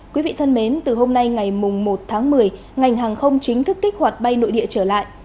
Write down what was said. quý vị thân mến từ hôm nay ngày một tháng một mươi ngành hàng không chính thức kích hoạt bay nội địa trở lại